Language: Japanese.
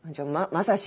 まさし。